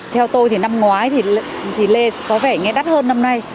theo tôi thì năm ngoái thì lê có vẻ nghe đắt hơn năm nay